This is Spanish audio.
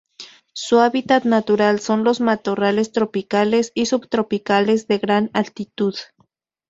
Su hábitat natural son los matorrales tropicales y subtropicales de gran altitud.